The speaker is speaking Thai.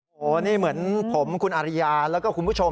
โอ้โหนี่เหมือนผมคุณอาริยาแล้วก็คุณผู้ชม